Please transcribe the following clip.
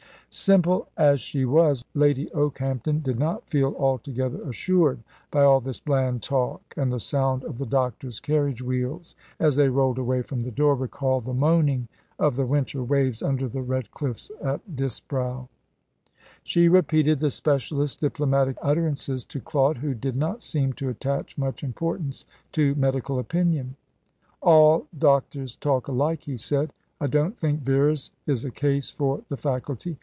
Simple as she was, Lady Okehampton did not feel altogether assured by all this bland talk, and the sound of the doctor's carriage wheels, as they rolled away from the door, recalled the moaning of the winter waves under the red cliffs at Disbrowe. She repeated the specialist's diplomatic utterances to Claude, who did not seem to attach much importance to medical opinion. "All doctors talk alike," he said. "I don't think Vera's is a case for the faculty.